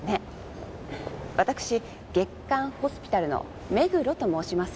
私『月刊ホスピタル』の目黒と申します。